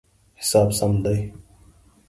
حساب سم دی